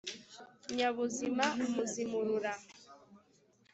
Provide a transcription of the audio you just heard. nyabuzima, umuzimurura